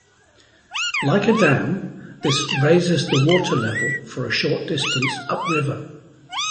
Like a dam, this "raises the water level for a short distance upriver".